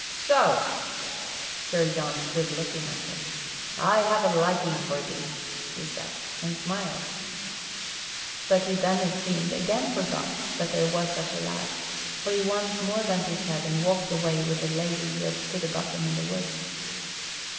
"So!" Sir John stood looking at him. "I have a liking for thee," he said, and smiled. But he then, it seemed, again forgot that there was such a lad, for he once more bent his head and walked away with the lady who had stood above them in the wood.